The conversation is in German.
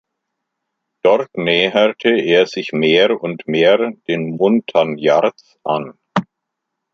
Dort näherte er sich mehr und mehr den Montagnards an.